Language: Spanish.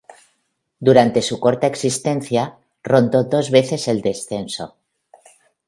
Durante su corta existencia, rondó dos veces el descenso.